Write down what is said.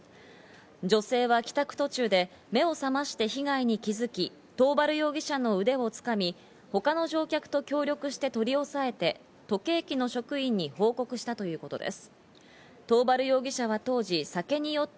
女性は帰宅途中で目を覚まして被害に気づき桃原容疑者の腕を掴み、他の乗客と協力して取り押さえて、土気駅の職員に報告したということです。